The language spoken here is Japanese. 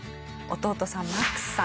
弟さんマックスさん。